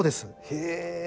へえ。